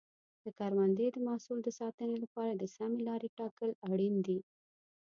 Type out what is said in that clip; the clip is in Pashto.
د کروندې د محصول د ساتنې لپاره د سمې لارې ټاکل اړین دي.